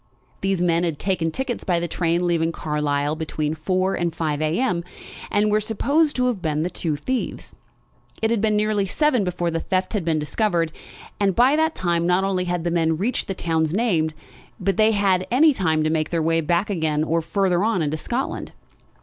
These men had taken tickets by the train leaving Carlisle between four and five a.m., and were supposed to have been the two thieves. It had been nearly seven before the theft had been discovered, and by that time not only had the men reached the towns named, but had had time to make their way back again or farther on into Scotland.